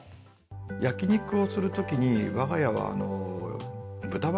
焼き肉をするときに我が家は。